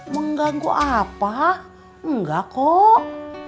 mengganggu apa enggak kok